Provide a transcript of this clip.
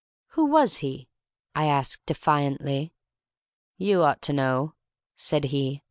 "Who was he?" I asked, defiantly. "You ought to know," said he.